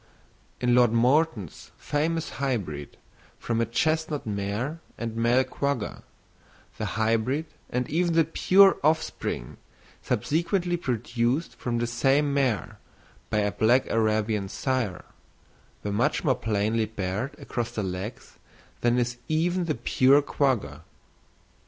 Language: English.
In Lord Morton's famous hybrid, from a chestnut mare and male quagga, the hybrid and even the pure offspring subsequently produced from the same mare by a black Arabian sire, were much more plainly barred across the legs than is even the pure quagga.